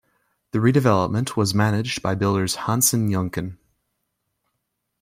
The redevelopment was managed by builders Hansen Yuncken.